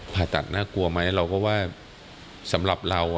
ผ่าตัดน่ากลัวไหมเราก็ว่าสำหรับเรา